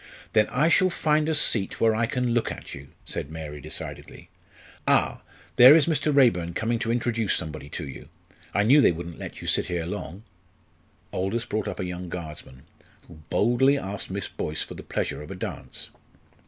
"Then I shall find a seat where I can look at you," said Mary, decidedly. "Ah, there is Mr. Raeburn coming to introduce somebody to you. I knew they wouldn't let you sit here long." Aldous brought up a young Guardsman, who boldly asked Miss Boyce for the pleasure of a dance.